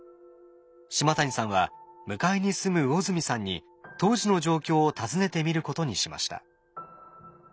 島谷さんは向かいに住む魚住さんに当時の状況を尋ねてみることにしました。